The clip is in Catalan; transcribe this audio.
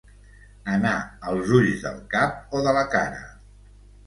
Anar als ulls del cap o de la cara.